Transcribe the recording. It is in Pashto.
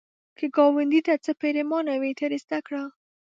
که ګاونډي ته څه پرېمانه وي، ترې زده کړه